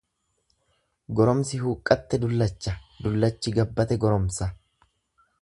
Goromsi huqqatte dullacha, dullachi gabbate goromsa.